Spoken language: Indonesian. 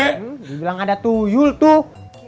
dibilang ada tuyul tuh